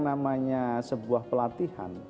namanya sebuah pelatihan